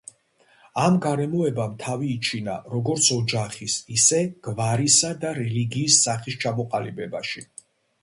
ამ გარემოებამ თავი იჩინა როგორც ოჯახის, ისე გვარისა და რელიგიის სახის ჩამოყალიბებაში.